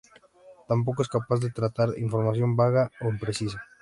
Tampoco es capaz de tratar información vaga o imprecisa.